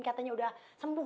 katanya udah sembuh